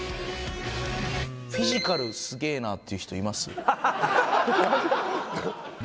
フィジカルすげえなっていう人います？